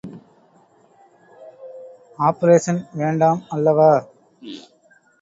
Operation வேண்டாம் அல்லவா?